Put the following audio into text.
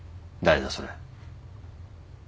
誰だそれ。